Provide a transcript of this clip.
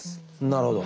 なるほど。